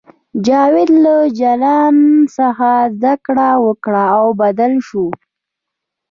جاوید له جلان څخه زده کړه وکړه او بدل شو